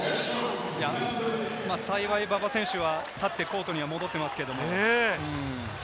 幸い、馬場選手は立ってコートには戻ってますけれどもね。